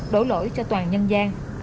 đổ lỗi cho toàn nhân gian